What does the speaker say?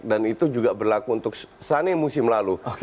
dan itu juga berlaku untuk sunny musim lalu